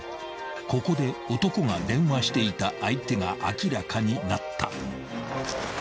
［ここで男が電話していた相手が明らかになった］